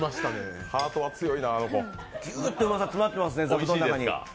ギューッとうまさが詰まってますね、座布団の中に。